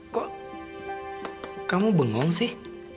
kok kamu bengong sih